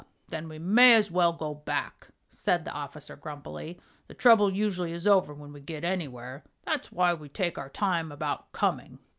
"Then we may as well go back," said the officer, grumpily. "The trouble usually is over when we get anywhere; that's why we take our time about coming."